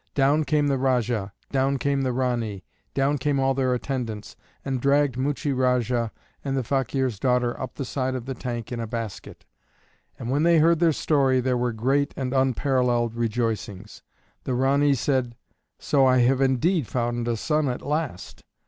Down came the Rajah, down came the Ranee, down came all their attendants, and dragged Muchie Rajah and the Fakeer's daughter up the side of the tank in a basket; and when they heard their story there were great and unparalleled rejoicings. The Ranee said, "So I have indeed found a son at last!"